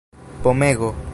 pomego